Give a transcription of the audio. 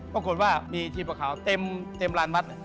ปรากฏว่ามีชีพประขาวเต็มลานมัด